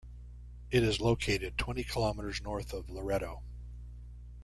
It is located twenty kilometers north of Loreto.